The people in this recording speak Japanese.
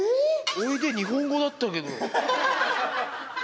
おいで、日本語だったけど。